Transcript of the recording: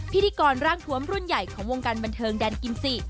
พิธีกรร่างทวมรุ่นใหญ่ของวงการบันเทิงแดนกิมจิ